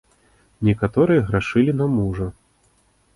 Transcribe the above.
Некаторыя грашылі на мужа.